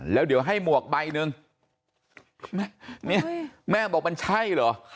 แล้วเดี๋ยวให้หมวกใบหนึ่งแม่นี่แม่บอกมันใช่เหรอ